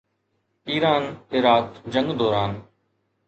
ايران-عراق جنگ دوران